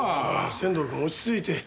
仙堂君落ち着いて。